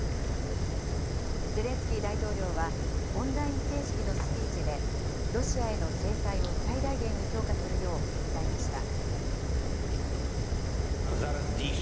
ゼレンスキー大統領は、オンライン形式のスピーチで、ロシアへの制裁を最大限に強化するよう訴えました。